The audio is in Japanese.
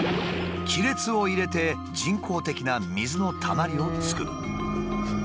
亀裂を入れて人工的な水のたまりを作る。